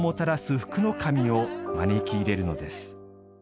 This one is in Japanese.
福の神を招き入れるのです。